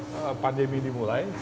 waktu pandemi dimulai